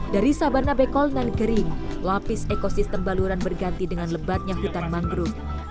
dari sabana bekol dan gering lapis ekosistem baluran berganti dengan lebatnya hutan mangrove